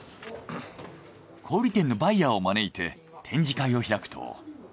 小売店のバイヤーを招いて展示会を開くと。